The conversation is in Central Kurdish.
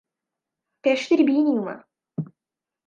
پێشتر بینیومە.